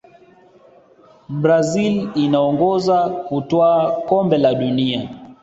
brazil inaongoza kutwaa kombe la dunia